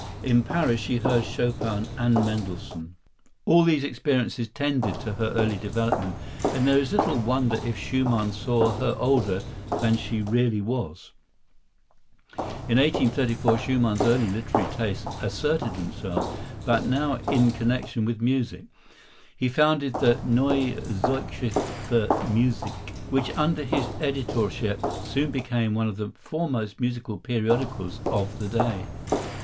In Paris she heard Chopin and Mendelssohn. All these experiences tended to her early development, and there is little wonder if Schumann saw her older than she really was. In 1834 Schumann's early literary tastes asserted themselves, but now in connection with music. He founded the "Neue Zeitschrift für Musik," which under his editorship soon became one of the foremost musical periodicals of the day.